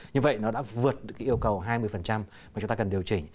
như vậy nó đã vượt được yêu cầu hai mươi mà chúng ta cần điều chỉnh